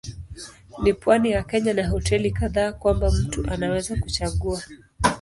Ni pwani ya Kenya na hoteli kadhaa kwamba mtu anaweza kuchagua.